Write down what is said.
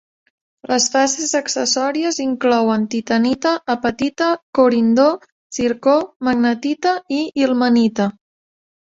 Les fases accessòries inclouen titanita, apatita, corindó, zircó, magnetita i ilmenita.